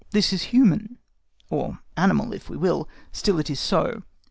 This is human, or animal if we will; still it is so.